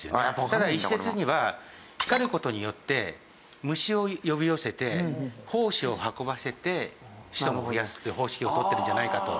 ただ一説には光る事によって虫を呼び寄せて胞子を運ばせて子孫を増やすっていう方式を取ってるんじゃないかと。